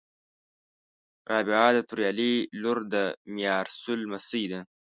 رابعه د توریالي لور د میارسول لمسۍ ده